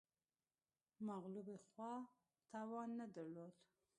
مغلوبې خوا توان نه درلود